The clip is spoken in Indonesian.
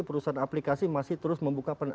perusahaan aplikasi masih terus membuka